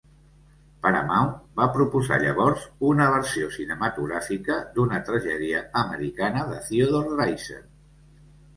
Paramount va proposar llavors una versió cinematogràfica d'"Una tragèdia americana" de Theodore Dreiser.